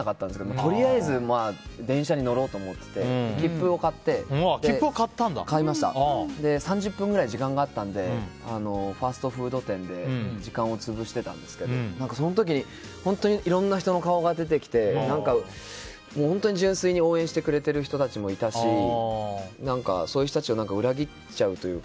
とりあえず電車に乗ろうと思って切符を買って３０分くらい時間があったのでファストフード店で時間を潰してたんですけどその時に本当にいろんな人の顔が出てきて本当に純粋に応援してくれている人たちもいたしそういう人たちを裏切っちゃうというか。